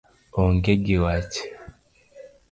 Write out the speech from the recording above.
Onge gi wach.